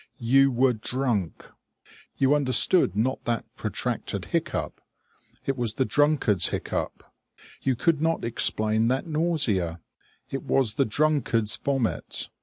You were drunk. You understood not that protracted hiccough; it was the drunkard's hiccough. You could not explain that nausea; it was the drunkard's vomit.